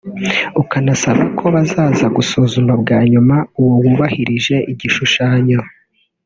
ukanasaba ko bazaza gusuzuma bwa nyuma ko wubahirije igishushanyo